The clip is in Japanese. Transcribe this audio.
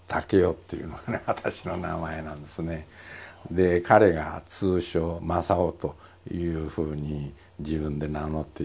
で彼が通称「まさお」というふうに自分で名乗って。